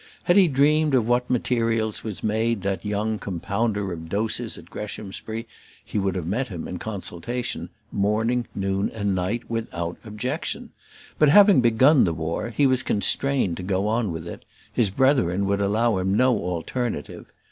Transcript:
Had he dreamed of what materials was made that young compounder of doses at Greshamsbury he would have met him in consultation, morning, noon, and night, without objection; but having begun the war, he was constrained to go on with it: his brethren would allow him no alternative.